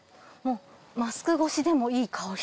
マスク越しでもいい香り。